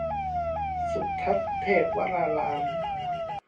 สุทัศน์เทพวราราม